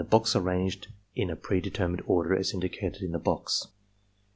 box arranged in a predetermined order as indicated in the box.